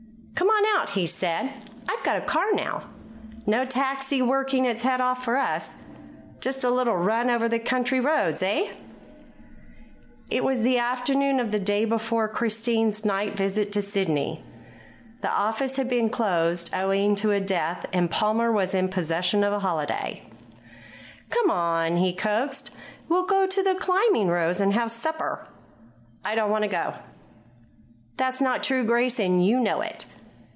"Come on out," he said. "I've got a car now. No taxi working its head off for us. Just a little run over the country roads, eh?" It was the afternoon of the day before Christine's night visit to Sidney. The office had been closed, owing to a death, and Palmer was in possession of a holiday. "Come on," he coaxed. "We'll go out to the Climbing Rose and have supper." "I don't want to go." "That's not true, Grace, and you know it."